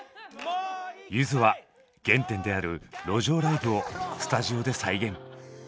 ゆずは原点である路上ライブをスタジオで再現！